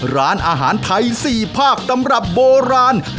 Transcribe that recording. ร้านอาหารไทย๔ภาคตำรับโบราณ